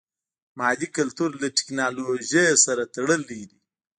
مادي کلتور له ټکنالوژي سره تړلی دی.